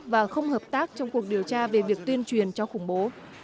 và không hợp tác trong cuộc điều tra về việc tuyên truyền cho khủng bố